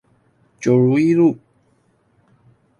九如一路